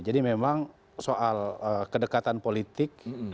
jadi memang soal kedekatan politik